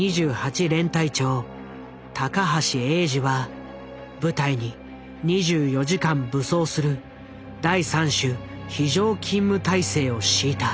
連隊長高橋永二は部隊に２４時間武装する第三種非常勤務態勢を敷いた。